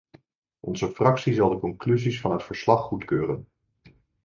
Onze fractie zal de conclusies van het verslag goedkeuren.